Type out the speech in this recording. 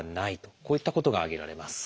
こういったことが挙げられます。